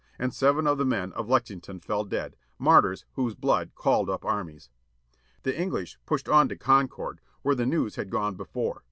And seven of the men of Lexington fell dead, martjTS whose blood called up armies. The English pushed on to Concord, where j,|j||f||||f!f5'*!% ^^^^^^^^^^ ^one before.